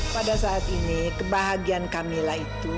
pada saat ini kebahagiaan camillah itu